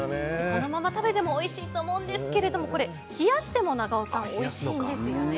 このまま食べてもおいしいと思うんですけれどもこれ、冷やしても長尾さん、おいしいんですよね。